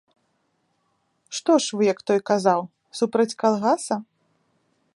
Што ж вы, як той казаў, супраць калгаса?